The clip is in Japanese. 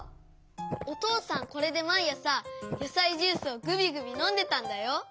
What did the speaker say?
おとうさんこれでまいあさやさいジュースをぐびぐびのんでたんだよ。